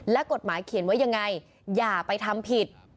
และกฎหมายเขียนไว้ยังไงอย่าไปทำผิด